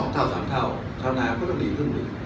๒เท่า๓เท่าเท่านานก็จะดีครึ่งหนึ่ง